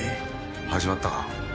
始まったか。